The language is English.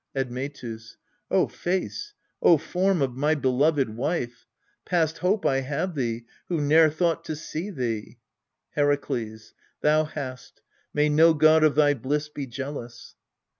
Admetus. O face, O form of my beloved wife, Past hope I have thee, who ne'er thought to see thee ! Herakles. Thou hast : may no god of thy bliss be jealous.